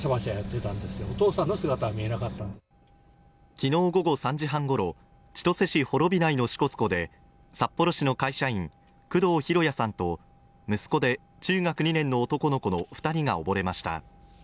昨日午後３時半ごろ千歳市幌美内の支笏湖で札幌市の会社員、工藤博也さんと息子で中学２年の男の子の２人が溺れました。